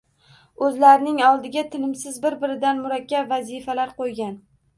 Oʻzlarining oldiga tinimsiz bir-biridan murakkab vazifalar qoʻygan